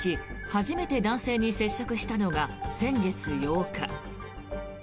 初めて男性に接触したのが先月８日。